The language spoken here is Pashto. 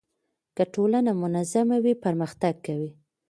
که ټولنه منظمه وي پرمختګ کوي.